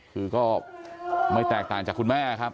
คือก็ไม่แตกต่างจากคุณแม่ครับ